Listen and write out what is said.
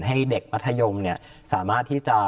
ให้เด็กมัธยมสามารถที่จะ